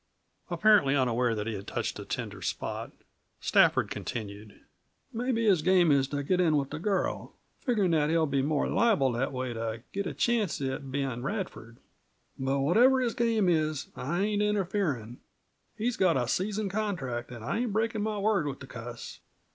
Apparently unaware that he had touched a tender spot Stafford continued. "Mebbe his game is to get in with the girl, figgerin' that he'll be more liable that way to get a chancst at Ben Radford. But whatever his game is, I ain't interferin'. He's got a season contract an' I ain't breakin' my word with the cuss.